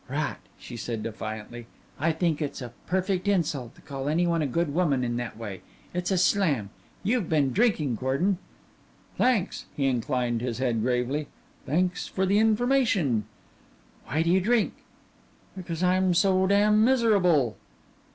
"Rot," she said, defiantly. "I think it's a perfect insult to call any one a good woman in that way. It's a slam. You've been drinking, Gordon." "Thanks." He inclined his head gravely. "Thanks for the information." "Why do you drink?" "Because I'm so damn miserable."